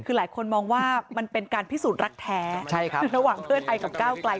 คือหลายคนมองว่ามันเป็นการพิสูจน์รักแท้ระหว่างเพื่อไทยกับก้าวไกล